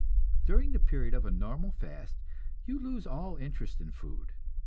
During the period of a normal fast you lose all interest in food.